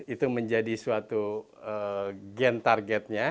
itu menjadi suatu gen targetnya